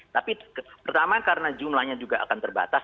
tapi pertama karena jumlahnya juga akan terbatas